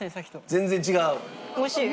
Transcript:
全然違う？